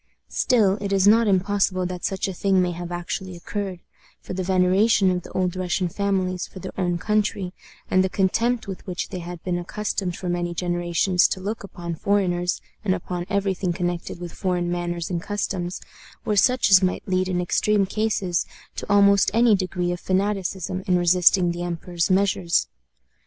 Still, it is not impossible that such a thing may have actually occurred; for the veneration of the old Russian families for their own country, and the contempt with which they had been accustomed for many generations to look upon foreigners, and upon every thing connected with foreign manners and customs, were such as might lead in extreme cases, to almost any degree of fanaticism in resisting the emperor's measures.